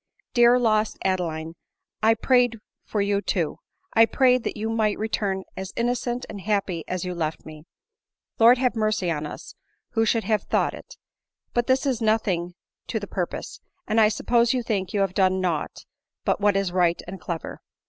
Dear, lost Adeline, I prayed for you too ! I prayed that you might return as innocent and happy as you left me. Lord have mercy on us ! who should have thought it ! But this is nothing to the purpose, and I suppose you think you have done nought but what is right and clever."